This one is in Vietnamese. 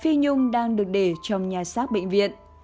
phi nhung đang được để trong nhà xác bệnh viện